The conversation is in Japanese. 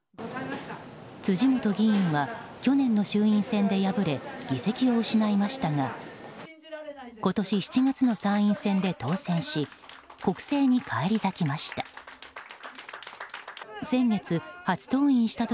辻元議員は去年の衆院選で敗れ議席を失いましたが今年７月の参院選で当選し国政に返り咲きました。